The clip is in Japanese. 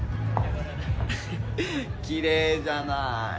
ウフッきれいじゃない。